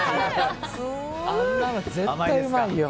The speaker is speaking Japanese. あんなの絶対うまいよ。